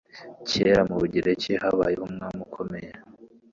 Kera, mu Bugereki habaye umwami ukomeye